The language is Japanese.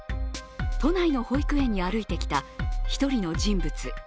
都内の保育園に歩いてきた１人の人物。